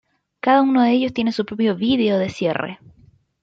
Cada uno de ellos tiene su propio vídeo de cierre.